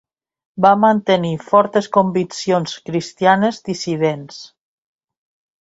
Va mantenir fortes conviccions cristianes dissidents.